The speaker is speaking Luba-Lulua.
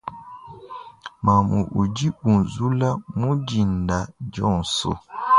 Mamu udi unzula mudinda dionso.